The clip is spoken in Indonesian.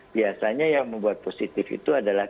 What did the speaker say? biasanya yang membuat positif itu adalah